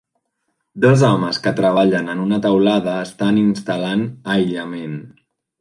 Dos homes que treballen en una teulada estan instal·lant aïllament.